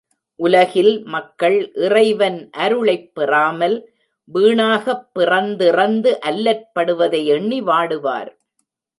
உலகில் மக்கள் இறைவன் அருளைப் பெறாமல் வீணாகப் பிறந்திறந்து அல்லற்படுவதை எண்ணி வாடுவார்.